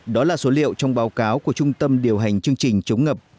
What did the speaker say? đó là số liệu trong báo cáo của trung tâm điều hành chương trình chống ngập